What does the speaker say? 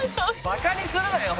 バカにするなよ